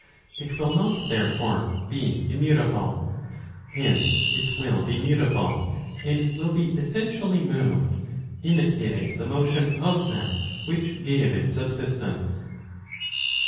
It will not, therefore, be immutable. Hence, it will be mutable, and will be essentially moved, imitating the motion of that which gave it subsistence.